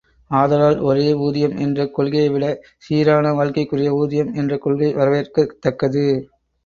ஆதலால் ஒரே ஊதியம் என்ற கொள்கையைவிட சீரான வாழ்க்கைக்குரிய ஊதியம் என்ற கொள்கை வரவேற்கத்தக்கது.